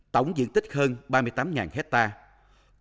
tổng diện tích hơn ba mươi tám hectare